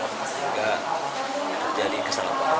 sehingga terjadi kesalahpahaman